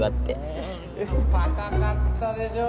えぇ高かったでしょう？